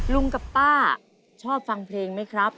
ลุงกับป้าชอบฟังเพลงไหมครับ